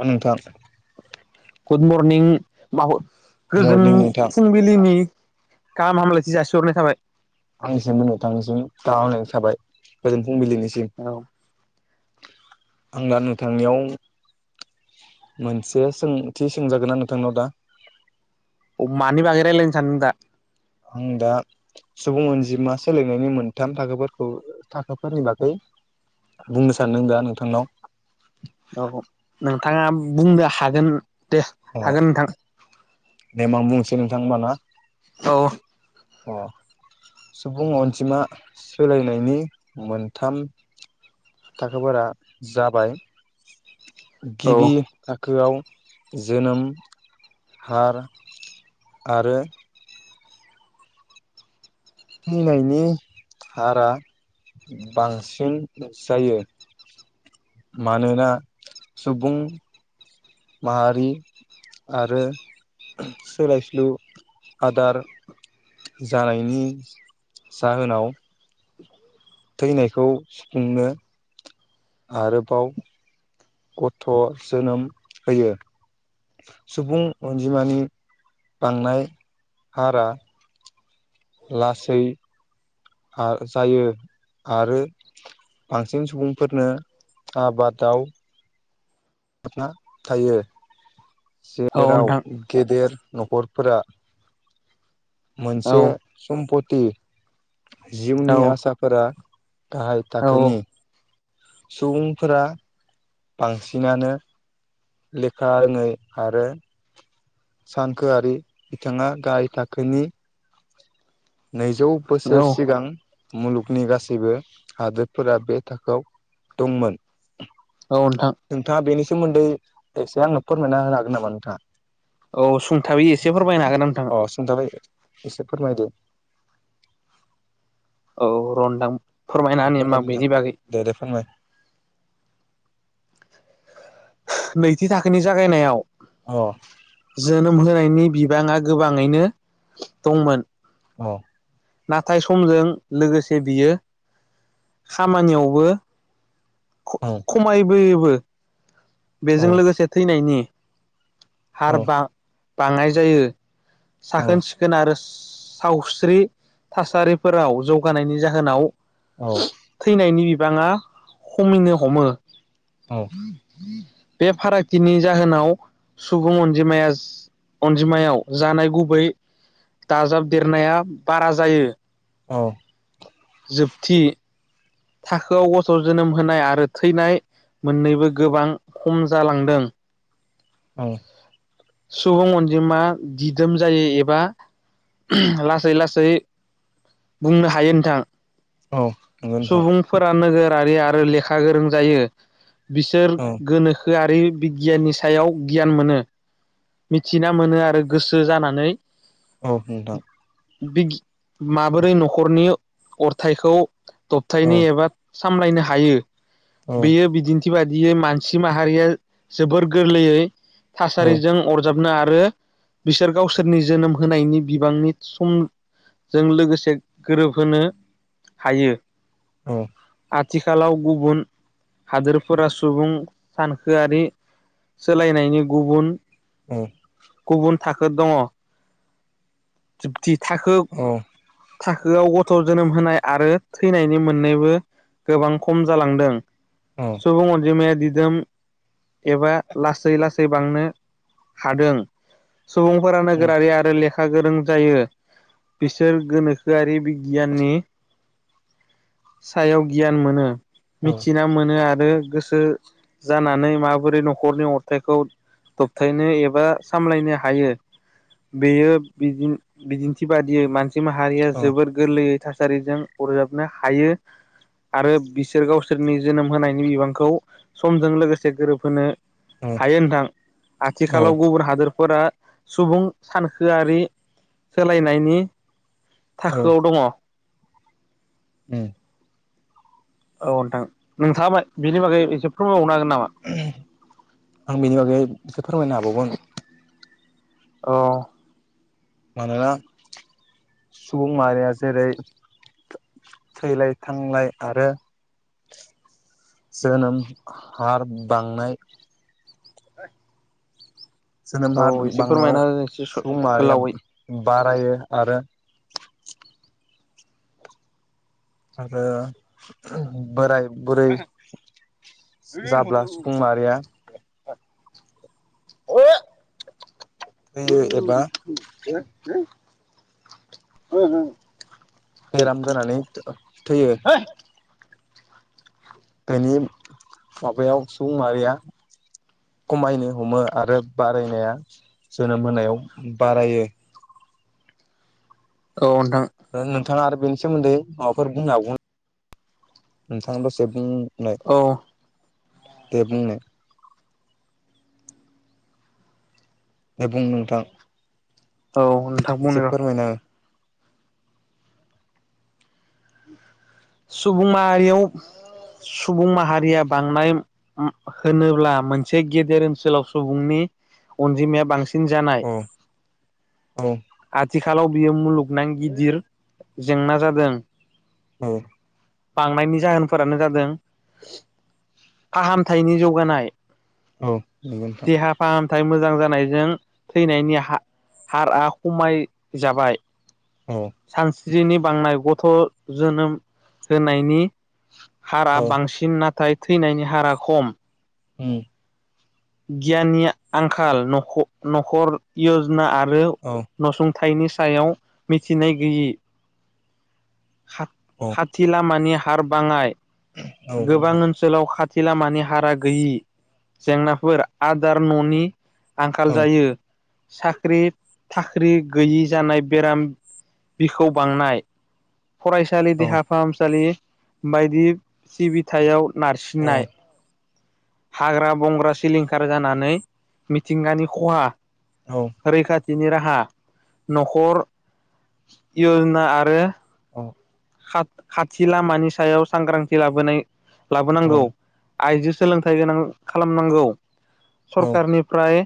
अ नोंथां। Good morning माबा गोजोन मरनिं नोंथां फुंबिलिनि गाम हामलायथि जासिहरनाय थाबाय। आंनिसिम थांनिसिम गाहाम हामलायनाय थाबाय गोजोन फुंबिलिनिसिम। अ आं दा नोंथांनियाव। मोनसे सोंथि सोंजागोना नोंथांनाव दा? मानि बागै रायलायनो सानदों दा? आं दा सुबुं अनजिममा सोलोंनायनि मोनथाम थाखोफोरखौ थाखोफोरनि बागै बुंनो सानदों दा नोंथांनाव। औ नोंथाङा बुंनो हागोन दे हागोन नोंथां। देम आ बुंसै नोंथां होमबा ना। औ। अ। सुबुं अनजिमा सोलायनायनि मोनथाम थाखोफोरा जाबाय औ गिबि थाखोआव जोनोम, हार आरो थैनायनि हारा बांसिन जायो मानोना सुबुं माहारि आरो सोलाय सोलु आदार जानायनि जाहोनाव थैनायखौ सुफुंनो आरोबाव गथ' जोनोम होयो सुबुं अनजिमानि बांनाय हारा लासै जायो आरो बांसिन सुबुंफोरनो आबादाव। ना थायो औ जेराव नोंथां गेदेर न'खरफोरा। औ मोनसे सम्पति औ जिउनि आसाफोरा गाहाय थाखोनि सुबुंफोरा बांसिनानो लेखारोङै आरो सानखोआरि बिथाङा गाहाय थाखोनि नैजौ बोसोर औ सिगां मुलुगनि गासैबो हादोरफोरा बे थाखोआव दंमोन औ नोंथां नोंथाङा बेनि सोमोन्दै ऐसे आंनो फोरमायना होनो हागोन नामा नोंथाङा? औ सुंथाबै एसेफोरमायनो हागोन नोंथाङा अ सुंथाबै एसे फोरमायदो। औ रनदां फोरमायना ने फोरमाय हबा नोंथां बेनि बागै। दे दे फोरमाय नैथि थाखोनि जागायनायाव अ जोनोम होनाय नि बिबाङा गोबाङैनो दंमोन। औ। नाथाय समजों लोगोसे बियो खामानियावबो औ ख-खमायबोयोबो औ बेजों लोगोसे थैनायनि औ हार बां-बाङनाय जायो औ साखोन सिखोन आरो सावस्रि थासारिफोराव जौगानायनि जाहोनाव थैनायनि बिबाङा खमिनो हमो औ बे फारागथिनि जाहोनाव सुबुं अनजिमाया अनजिमायाव जानाय गुबै दाजाबदेरनाया बारा जायो औ जोबथि थाखोआव गथ' जोनोम होनाय आरो थैनाय मोननैबो गोबां खम जालांदों औ सुबुं अनजिमा दिदोम जायो एबा लासै लासै बुंनो हायो नोंथां औ नंगौ नोंथां सुबुंफोरा नोगोर आरो लेखा गोरों जायो बिसोर औ गोनोखो गोनोखोआरि बिगियाननि सायाव गियान मोनो मिथिना मोनो आरो गोसो जानानै औनोंथां बि माबोरै न'खरनि अरथाइखौ दबथायनो औ एबा सामलायनो हायो औ बेयो बिदिन्थि बाय दियै मानसि माहारिया जोबोर गोरलैयै औ थासारिजों अरजाब ना आरो बिसोर गावसोरनि जोनोम होनायनि बिबांनि सम जों लोगोसे गोरोबहोनो हायो। औ आथिखालाव गुबुन हादोरफोरा सुबुं सानखोआरि सोलायनायनि गुबुन औ गुबुन थाखो दङ जोबथि थाखो औ थाखोआव गथ' जोनोम होनाय आरो थैनायनि मोननैबो गोबां खम जालांदों औ सुबुं अनजिमाया दि एबा लासै लासै बांनो हादों सुबुंफोरा नोगोरारि आरो लेखा गोरों जायो बिसोर गोनोखोआरि गियाननि सायाव गियान मोनो। औ मिथिना मोनो आरो गोसो जानानै माबोरै न'खरनि अरथाइखौ दबथायनो एबा सामलायनो हायो बेयोदि बिदिन्थि बादियै मानसि माहारिया औ जोबोर गोरलैयै थासारिजों अरजाबनो हायो आरो बिसोर गावसोरनि जोनोम होनायनि बिबांखौ समजों लोगोसे गोरोबहोनो हायो नोंथां औ आथिखालाव औ। गुबुन हादोर फोरा सुबुं सानखोआरि सोलायनायनि थाखोआव दङ। ओम औ नोंथां नोंथाङा बेनि बागै एसे फोरमायबावनो हागोन ना आं बेनि बागै बेखौ फोरमायनो हाबावगोन औ मानोना सुबुं माहारिया जेरै थैलाय थांलाय आरो जोनोम हार बांनाय जोनोमहा औ एसे बांनायाव फोरमायना हो एसे सुबुं माहारिया गोलावै बारायो आरो आरो बोराय बोरै जाब्ला सुबुं माहारिया अ होयो एबा अ हो हो बेराम जानानै थैयो दनि माबायाव सुबुं मारिया खमायनो हमो आरो बारायनाया जोनोम होनायाव बारायो अ नोंथां नोंथाङा आरो बेनि सोमोन्दै माबाफोर बुंनो हग नोंथाङा दसे बुं औ दे बुंनाय दे बुं नोंथां औ नोंथां एसे बुंनि र' फोरमायना सुबुं माहारियाव सुबुं माहारिया बांनाय होनोब्ला मोनसे गेदेर ओनसोलाव सुबुंनि अनजिमाया बांसिन जानाय हो। औ आथिखालाव बियो मुलुगनां गिदिर जेंना जादों औ बांनायनि जाहोनफोरानो जादों फाहामथायनि जौगानाय औ नगौ नोथां नाथाय मोजां जानाय जों थैनायनि हार हारआ खमायजाबाय औ सानस्रिनि बांनाय गथ' जोनोम होनायनि हारा औ बांसिन नाथाय थैनायनि हारा खम उम गियाननि आंखाल नख नखर यजना आरो औ नसुंथ फिथायनि सायाव मिथिनाय गैयि खा औ खाथि लामानि हार बांङाय गोबां नोंथां ओनसोलाव खा खाथि लामानि हारा गैयि जेंनाफोर आदार न'नि आंखाल औ जायो साख्रि थाख्रि गैयि जानाय बेराम बिखौ बांनाय फरायसालि औ देहा फाहामसालि बायदि सिबिथायाव औ नारसिननाय हाग्रा बंग्रा सिलिंखार जानानै मिथिंगानि खहा रैखाथिनि राहा नखर यजना आरो खा खाथि लामानि सायाव सांग्रांथि लाबोनाय लाबोनांगौ आइजो सोलोंथाइ गोनां खालामनांगौ सरखारारनिफ्राय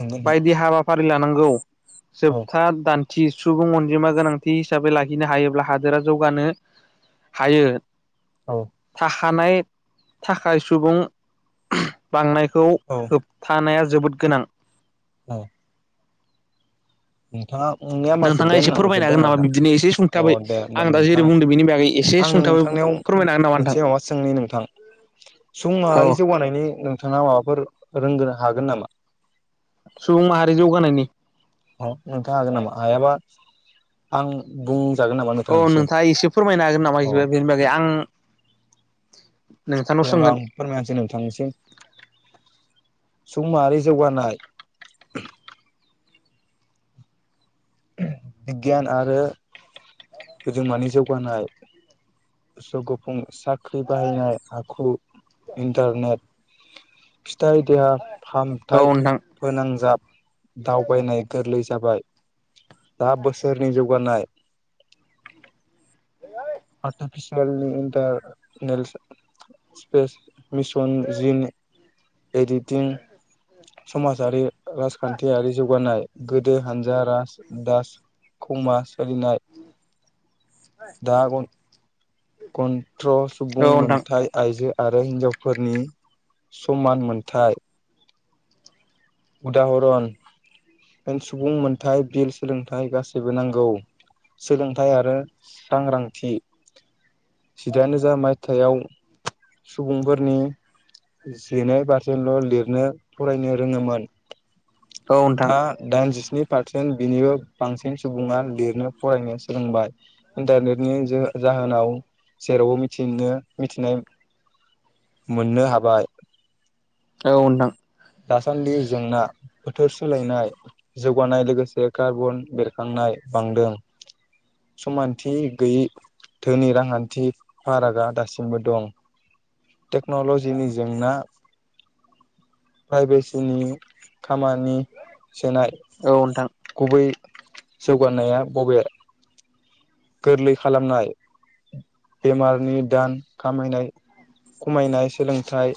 नंगौ नोंथां बायदि हाबाफारि लानांगौ औ जोबथा दान्थि सुबुं अनजिमा गोनांथि हिसाबै लाखिनो हायोब्ला हद जौगानो हायो औ थानाय थाखाय सुबुं बांनायखौ औ होबथानाया जोबोद गोनां। औ नोंथांङा नोंनि आ नोंथाङा जोब्बायानो एसे नामा फोरमायनो जोब्बाय हागोन नामा नोंथां बिदिनो एसे अ सुंथाबै दे होमबा आं दा जेरै नोंथां बुंदों बेनि बागै एसे आं नों सुंथाबै नोंथांनिाव फोरमायनो हागोन नामा मोनसे नोंथां माबा सोंनि नोंथां सुबुं माहारि औ जौगानायनि नोंथाङा माबाफोर रोंगोनो हागोन नामा सुबुं माहारि जौगानायनि अ नोंथाङा हागोन नामा हायाबा आं बुं औ नोंथाङा एसे फोरमायनो हागोन नामा अ बिबो बेनि बागै आं नोंथांनाव जेब्ला सोंगोन आं फोरमायनोसै नोंथांनिसिम सुम माहारि जौगानाय बिगियान आरो गद मानि जौगानाय स गुफुं साख्रि बाहायनाय आखु इन्टारनेट फिथाइ देहा औ फाहामथायाइ नोंथां फोनांजाब। दावबायनाय गोरलै जाबाय दा बोसोरनि जौगानाय आरटिफिसियेलनि इन्टारनेलस सिपेस मिसन जिन एडिटिं समाजारि। राजखान्थियारि जौगानाय गोदो हानजा राज दास कमास। [unintelligible] दागन कन्थ्र सुबुं औ नोंथां मोनथाइ आइजो आरो हिन्जावफोरनि समान मोन्थाय। उदाहरन सुबुं मोनथाइ बिल सोलोंथाइ गासैबो नांगौ। सोलोंथाइ आरो सांग्रांथि। जिदाइन रोजा मायथाव सुबुंफोरनि जिनै फारसेल' लिरनो फरायनो रोङोमोन। औ नोंथां दा दाइनजिस्नि। फारसेनिबो बांसिन सुबुङा लिरनो फरायनो सोलोंबाय इन्टारनेटन। जाहोनाव जेरावबो मिथिनो मिथिनाय। मोननो हाबाय। औ उन्दां दासान्दि जेंना बोथोर सोलायनाय जौगानाय लोगोसे कार्बन बेरखांनाय। नाय बांदों समानथि गैयै धोनि रांखान्थि फारागा दासिमबो दं। टेक्न'ल'जिनि जेंना प्राइभेसिनि खामानि। सेनाय औ नोंथां गुबै जौगानाया बबे। गोरलै खालामनाय बेमारनि दान खामायनाय खमायनाय सोलोंथाइ।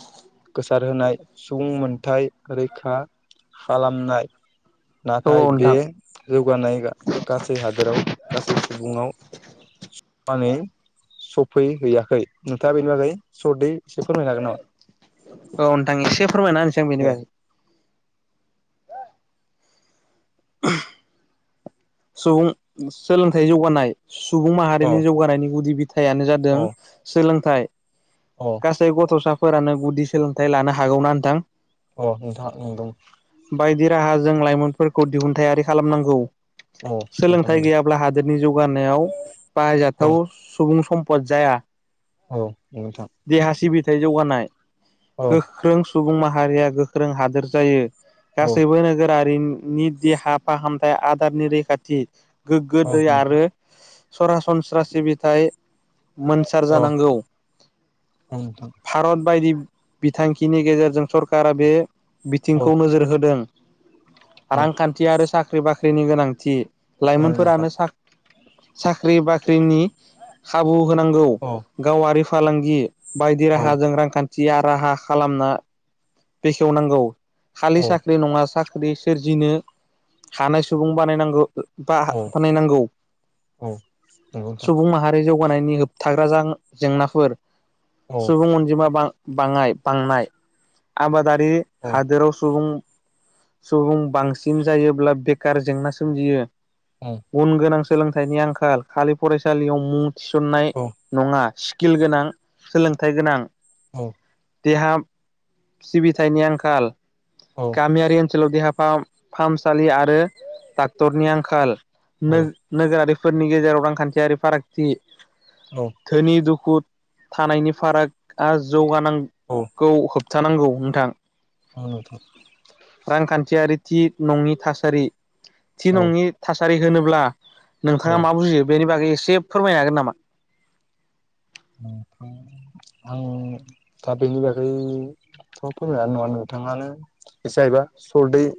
गोसारहोनाय सुबुं मोनथाय रैखा खालामनाय। औ नाथाय बे नोंथां जौगानाय गासै हादोराव गासै सुबुंवाव। [unintelligible] सफैहैयाखै नोंथाङा बेनि बागै सदै औ नोंथां एसे फोरमायना होनोसै बेनि दे बागै। [unintelligible] सुबुं सोलोंथाइ जौगानाय सुबुं औ माहारिनि जौगानायनि गुदि बिथ थायाइानो जादों औ सोलोंथाइ औ गासै गथ'सा। फोरानो गुदि सोलोंथाइ लानो हागौना नोंथां। अ नोंथां नंद। बायदि राहाजों लाइमोनफोरखौ दिहुनथायारि खालामनांगौ। औ नोंथां सोलोंथाइ नंगौ गैयाब्ला हादोरनि जौगानायाव औ बाहायजाथाव सुबुं सम पद जाया औ नोंथां। फिथाइ जौगानाय औ गोख्रों सुबुं माहारिया गोख्रों हादोर जायो। औ गासैबो नोगोरारिनि देहा फाहामथाय आदारनि रैखाथि। गोग्गो औ दै नोंथां आरो सरासनस्रा सिबिथाय। मोनसार औ जानांगौ औ नोंथां भारत बायदि बिथांखिनि गेजेरजों सरकारा बे औ बिथिंखौ नोजोर होदों। औ रांखान्थि आरो साख्रि बाख्रिनि गोनांथि। औ नोंथां लाइमोनफोरानो साख्रि बाख्रिनि खाबु होनांगौ औ गावारि फालांगि बायदि औ राहाजों रांखान्थि राहा खालामना बेखेवनांगौ। खालि औ साख्रि नङा सा साख्रि सोरजिनो हानाय सुबुं बानायनांगौ। औ बानायनांगौ औ नंगौ नोंथां सुबुं माहारिजों जौगानायनि होबथाग्रा जेंनाफोर औ सुबुं अनजिमा बां बाङाय बांनाय आबादारि औ हादोराव सुबुं सुबुं बांसिन जायोब्ला बेखार जेंना सोमजियो। औ उन गोनां सोलोंथाइनि आंखाल। खालि फरायसालियाव मुं थिसननाय औ नङा। स्किल गोनां सोलोंथाइ गोनां। औ। देहा सिबिथायनि आंखाल, औ गामियारि ओनसोलाव देहा फाहामसालि आरो डक्टरनि आंखाल औ नोगोरारि फोरनि गेजेराव रांखान्थियारि फारागथि औ धोनि दुखु थानायनि फारागआ औ जौगानांगौ, होबथानांगौ नोंथां। औ नोंथां रांखान्थियारि थि नंनि थासारि। थि औ नङि थासारि होनोब्ला औ नोंथाङा मा बुजियो बेनि बागै एसे से फोरमायनो हागोन नामा? आं दा बेनि बागै थ' फोरमायनो हानाय नङा नोंथाङानो एसे आइबा सरदै-